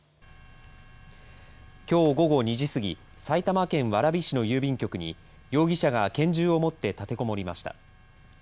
きょう午後２時過ぎ埼玉県蕨市の郵便局に容疑者が拳銃を持って立てこもりました。